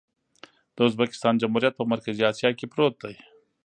د ازبکستان جمهوریت په مرکزي اسیا کې پروت دی.